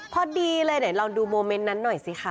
พอดีเลยไหนลองดูโมเมนต์นั้นหน่อยสิคะ